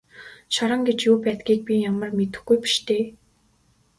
Шорон гэж юу байдгийг би ямар мэдэхгүй биш дээ.